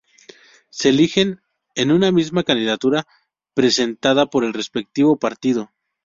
Se eligen en una misma candidatura presentada por el respectivo partido.